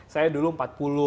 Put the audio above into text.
saya dulu empat puluh